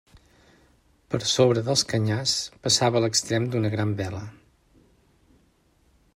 Per sobre dels canyars passava l'extrem d'una gran vela.